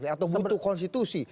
atau butuh konstitusi